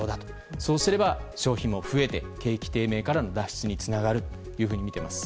そうすれば商品も増えて景気低迷からの脱出につながるとみています。